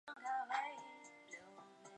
溶于水呈无色。